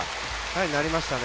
なりましたね。